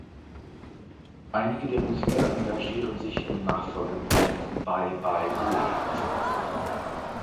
Einige der Musiker engagieren sich im Nachfolgeprojekt "Bye Bye Goliath".